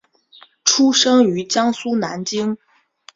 出生于江苏南京。